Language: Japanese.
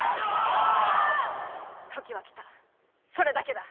時は来たそれだけだ。